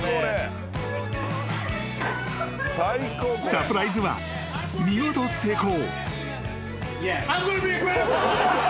［サプライズは見事成功］